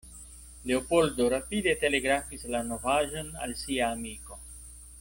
Leopoldo rapide telegrafis la novaĵon al sia amiko.